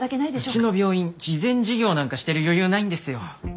うちの病院慈善事業なんかしてる余裕ないんですよ。